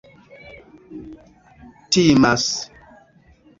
timas